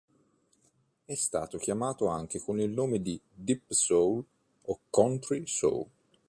È stato chiamato anche con il nome di deep soul o country soul.